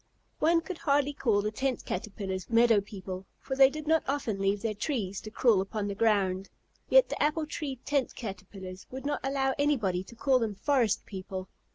One could hardly call the Tent Caterpillars meadow people, for they did not often leave their trees to crawl upon the ground. Yet the Apple Tree Tent Caterpillars would not allow anybody to call them forest people.